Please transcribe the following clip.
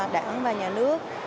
đảng và nhà nước